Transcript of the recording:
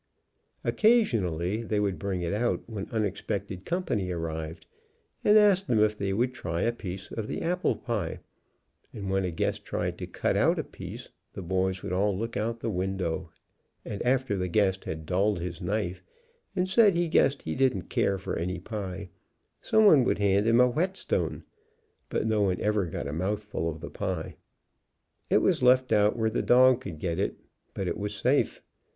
Occasionally they would bring it out when unexpected company arrived, and ask them if they would try a piece of the apple pie, and when a guest tried to cut out a piece the boys would all look out of the window and after the guest had dulled his knife and said he guessed he didn't care for any pie, some one would hand him a whetstone, but no one ever got a mouthful of the pie. It was left out where the dog could get it, but it was safe.